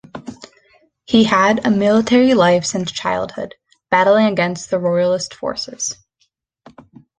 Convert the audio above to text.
He had a military life since childhood, battling against the royalist forces.